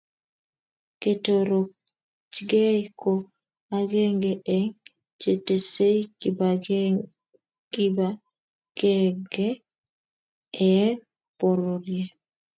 Ketorochgei ko akenge eng chetesei kibakebge ebng bororie.